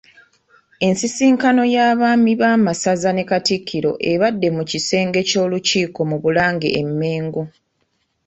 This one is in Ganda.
Ensisinkano y'abaami b'amasaza ne Katikkiro ebadde mu kisenge ky’Olukiiko mu Bulange e Mengo.